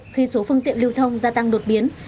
khi số phương tiện lưu thông gia tăng đột biến